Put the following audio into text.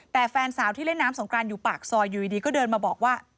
แต่แฟนสาวที่เล่นน้ำสงกรานอยู่ปากซอยอยู่ดีก็เดินมาบอกว่า